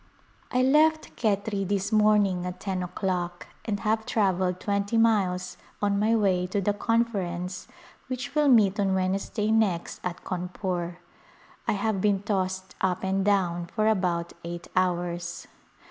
I left Khetri this morning at ten o'clock and have travelled twenty miles on my way to the Conference which will meet on Wednesday next at Cawnpore. I have been tossed up and down for about eight hours.